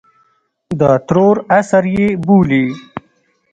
د ترور عصر یې بولي.